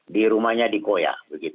di rumahnya di koya